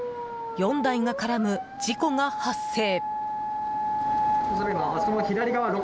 ４台が絡む事故が発生。